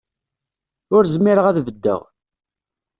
Ur zmireɣ ad beddeɣ.